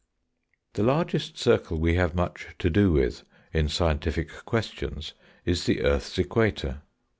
The largest circle we have much to do with in scientific questions is the earth's equator.